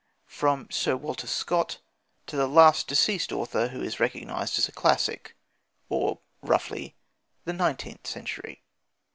From Sir Walter Scott to the last deceased author who is recognised as a classic, or roughly, the nineteenth century.